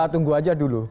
tunggu aja dulu